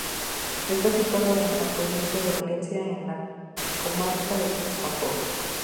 Está situado en la provincia de Valencia, en la comarca de la Safor.